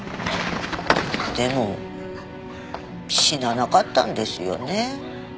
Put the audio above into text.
でも死ななかったんですよね。